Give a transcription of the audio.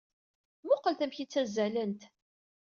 Mmuqqlet amek ay ttazzalent!